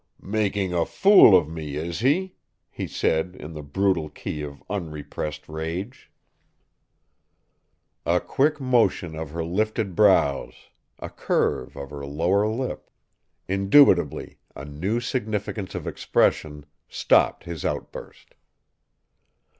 "Making a fool of me, is he?" he said in the brutal key of unrepressed rage. A quick motion of her lifted brows, a curve of her lower lip indubitably, a new significance of expression stopped his outburst.